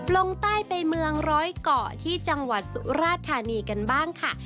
ลงใต้ไปเมืองร้อยเกาะที่จังหวัดสุราธานีกันบ้างค่ะ